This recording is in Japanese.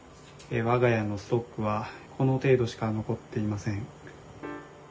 我が家のストックは、この程度しか残っていません。